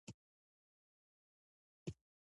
ترموز د ناستې خاطرې تازه کوي.